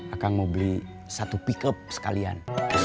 akan mau beli satu pickup sekalian